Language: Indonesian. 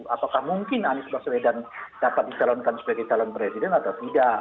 apakah mungkin anies baswedan dapat dicalonkan sebagai calon presiden atau tidak